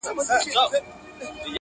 اوس مي ذهن كي دا سوال د چا د ياد؛